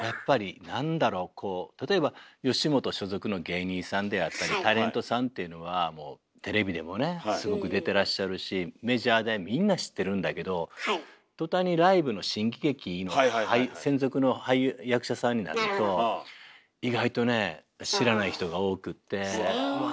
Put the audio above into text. こう例えば吉本所属の芸人さんであったりタレントさんっていうのはもうテレビでもねすごく出てらっしゃるしメジャーでみんな知ってるんだけど途端にライブの新喜劇専属の俳優役者さんになると意外とね知らない人が多くってうわ